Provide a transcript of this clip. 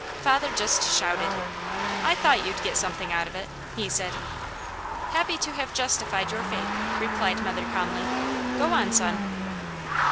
Father just shouted. "I thought you'd get something out of it!" he said. "Happy to have justified your faith!" replied mother calmly. "Go on, son!"